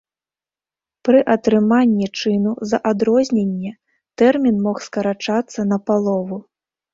Пры атрыманні чыну за адрозненне тэрмін мог скарачацца напалову.